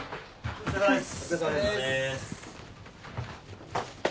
・お疲れさまです。